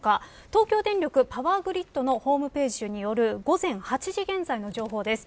東京電力パワーグリッドのホームページによる午前８時現在の情報です。